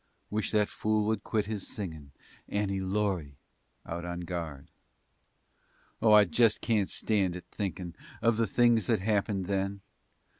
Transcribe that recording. Wish that fool would quit his singin' "Annie Laurie" out on guard! Oh, I just kaint stand it thinkin' Of the things that happened then.